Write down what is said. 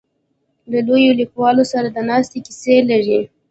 له لویو لیکوالو سره د ناستې کیسې لري.